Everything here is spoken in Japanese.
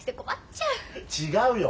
違うよ。